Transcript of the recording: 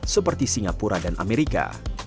seperti singapura dan amerika